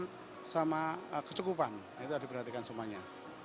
dan kecukupan itu harus diperhatikan semuanya